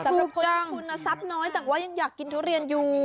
สำหรับคนที่คุณทรัพย์น้อยแต่ว่ายังอยากกินทุเรียนอยู่